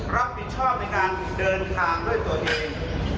รับผิดชอบในการเดินทางด้วยตัวเอง